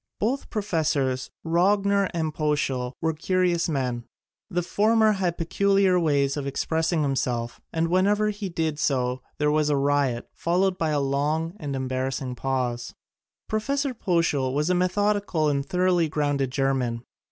Both Professors Rogner and Poeschl were curious men. The former had peculiar ways of expressing himself and whenever he did so there was a riot, followed by a long and embarrassing pause. Prof. Poeschl was a methodical and thoroly grounded German.